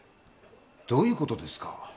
どういうことですか？